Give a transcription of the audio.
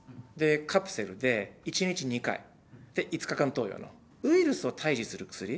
カプセルで、１日２回、５日間投与の、ウイルスを退治する薬。